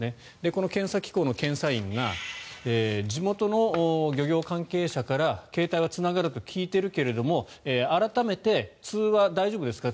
この検査機構の検査員が地元の漁業関係者から携帯はつながると聞いているけれども改めて通話大丈夫ですか？